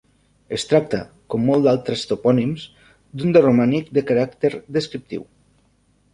Es tracta, com molts d'altres topònims, d'un de romànic de caràcter descriptiu.